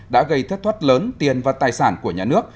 đã gây thất thoát lớn tiền và tài sản của nhà nước